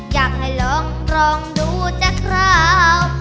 อยากให้ลองดูจะคราว